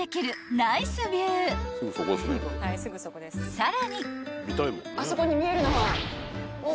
［さらに］